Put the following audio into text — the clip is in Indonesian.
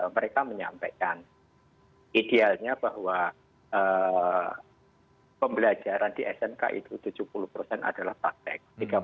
mereka menyampaikan idealnya bahwa pembelajaran di smk itu tujuh puluh persen adalah praktek